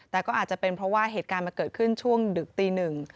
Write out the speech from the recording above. แต่ก็อาจจะเป็นเพราะว่าเหตุการณ์มันเกิดขึ้นช่วงดึกตีหนึ่ง